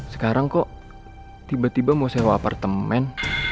sekarang kok tiba tiba mau sewa apartemen